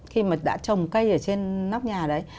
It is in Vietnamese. khi mà đã trồng cây ở trên nóc nhà đấy